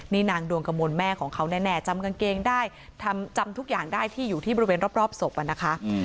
นี่นางดวงกระมวลแม่ของเขาแน่จำกางเกงได้ทำจำทุกอย่างได้ที่อยู่ที่บริเวณรอบศพอะนะคะ